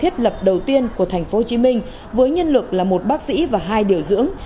thiết lập đầu tiên của tp hcm với nhân lực là một bác sĩ và hai điều dưỡng